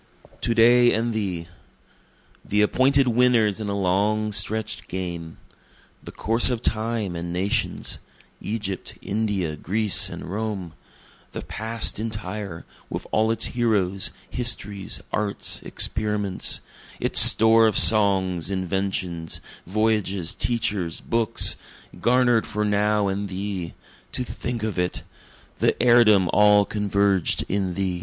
To Day and Thee The appointed winners in a long stretch'd game; The course of Time and nations Egypt, India, Greece and Rome; The past entire, with all its heroes, histories, arts, experiments, Its store of songs, inventions, voyages, teachers, books, Garner'd for now and thee To think of it! The heirdom all converged in thee!